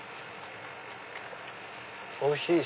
おいしい！